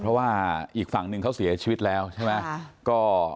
เพราะว่าอีกฝั่งหนึ่งเขาเสียชีวิตแล้วใช่ไหม